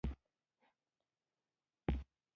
پتنګې ټام د ښاپیرکو هیواد ته له ځان سره یووړ.